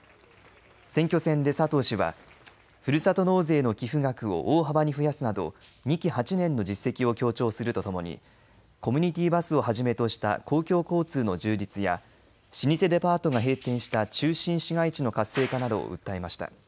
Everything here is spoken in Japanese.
選挙戦で佐藤氏はふるさと納税の寄付額を大幅に増やすなど２期８年の実績を強調するとともにコミュニティーバスをはじめとした公共交通の充実や老舗デパートが閉店した中心市街地の活性化などを訴えました。